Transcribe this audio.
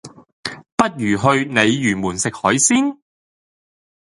不如去鯉魚門食海鮮？